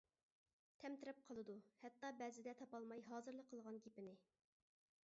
تەمتىرەپ قالىدۇ ھەتتا بەزىدە، تاپالماي ھازىرلا قىلغان گېپىنى.